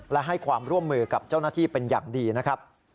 และให้ความร่วมมือกับเจ้าหน้าที่เป็นอย่างดีนะครับ